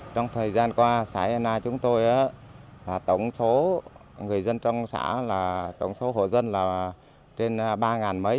trong thời gian qua xã yên na chúng tôi tổng số người dân trong xã là tổng số hộ dân là trên ba mấy